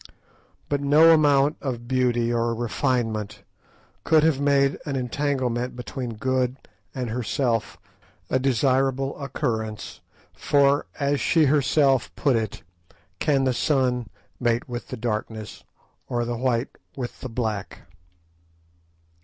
But no amount of beauty or refinement could have made an entanglement between Good and herself a desirable occurrence; for, as she herself put it, "Can the sun mate with the darkness, or the white with the black?"